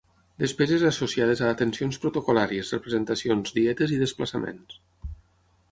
Despeses associades a atencions protocol·làries, representacions, dietes i desplaçaments.